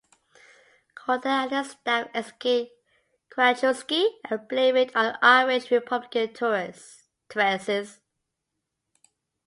Corder and his staff execute Krajewski and blame it on Irish republican terrorists.